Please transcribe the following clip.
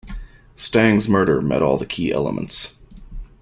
Stang's murder met all the key elements.